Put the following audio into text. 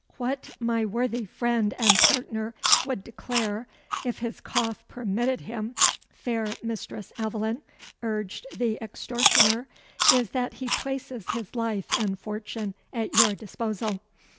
"What my worthy friend and partner would declare, if his cough permitted him, fair Mistress Aveline," urged the extortioner, "is that he places his life and fortune at your disposal.